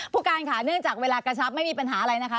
ผู้การค่ะเนื่องจากเวลากระชับไม่มีปัญหาอะไรนะคะ